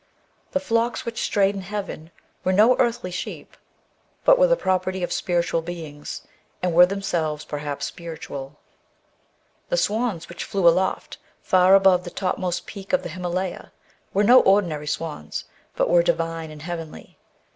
The flocks which strayed in heaven were no earthly sheep, but were the property of spiritual beings, and were themselves perhaps spiritual ; the swans which flew 170 THE BOOK OF WERE WOLVES. aloft, far above the topmost peak of the Himalaya, were no ordinary swans, but were divine and heavenly.